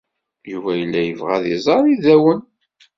Yuba yella yebɣa ad iẓer iddawen.